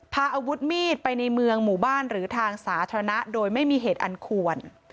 พาอาวุธมีดไปในเมืองหมู่บ้านหรือทางสาธารณะโดยไม่มีเหตุอันควร